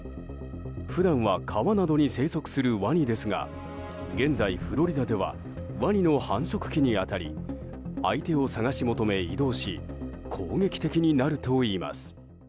普段は川などに生息するワニですが現在、フロリダではワニの繁殖期に当たり相手を探し求め、移動し攻撃的になるといいます。